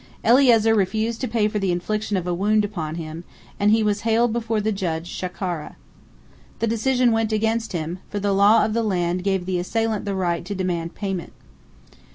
Eliezer refused to pay for the infliction of a wound upon him, and he was haled before the judge Shakkara. The decision went against him, for the law of the land gave the assailant the right to demand payment.